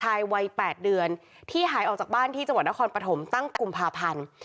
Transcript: ชายวัย๘เดือนที่หายออกจากบ้านที่จังหวัดนครปฐมตั้งกุมภาพันธ์